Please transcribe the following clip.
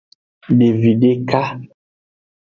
Devi deka.